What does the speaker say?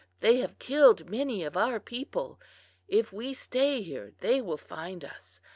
They have killed many of our people. If we stay here they will find us.